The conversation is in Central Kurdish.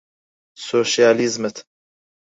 سۆشیالیزمت